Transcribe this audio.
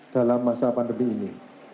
dalam masa pandemi ini